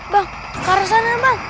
bang karusannya bang